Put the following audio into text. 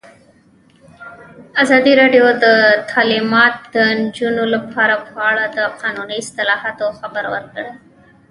ازادي راډیو د تعلیمات د نجونو لپاره په اړه د قانوني اصلاحاتو خبر ورکړی.